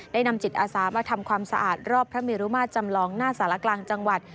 นำจิตอาสามาทำความสะอาดรอบพระเมรุมาตรจำลองหน้าสารกลางจังหวัด